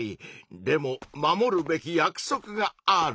でも守るべき約束がある。